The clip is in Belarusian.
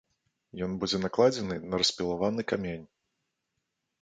Ён будзе накладзены на распілаваны камень.